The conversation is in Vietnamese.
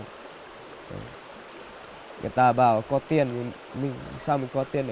người ta bảo có tiền sao mình có tiền